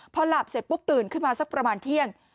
พอหลับเสร็จปุ๊บตื่นขึ้นมาสักประมาณเที่ยง